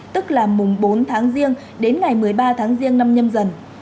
tức là mùng bốn tháng riêng đến ngày một mươi ba tháng riêng năm nhâm dần